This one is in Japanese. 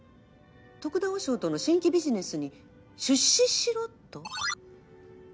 得田和尚との新規ビジネスに出資しろと？